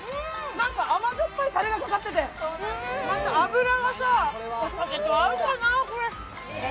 なんか甘酸っぱいたれがかかってて、脂がさ、お酒と合うんだな。